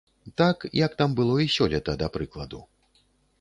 Так, як там было і сёлета, да прыкладу.